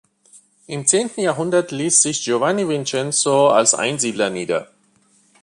Im zehnten Jahrhundert ließ sich Giovanni Vincenzo als Einsiedler nieder.